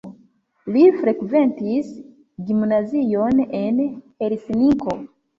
Li frekventis gimnazion en Helsinko.